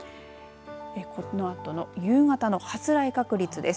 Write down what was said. このあとの夕方の発雷確率です。